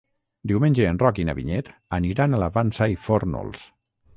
Diumenge en Roc i na Vinyet aniran a la Vansa i Fórnols.